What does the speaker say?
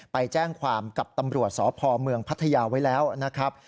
ไปแจ้งความกับตำรวจสพเมืองพัทยาไว้แล้วนะครับ